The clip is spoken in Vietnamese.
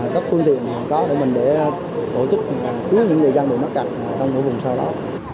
các khuôn thiện mà có để mình để tổ chức cứu những người gian đồn mất cạnh trong nội vùng sau đó